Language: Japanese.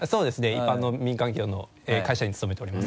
一般の民間企業の会社に勤めております。